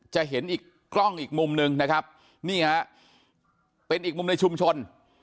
จะเห็นอีกกล้องอีกมุมหนึ่งนะครับนี่ฮะเป็นอีกมุมในชุมชน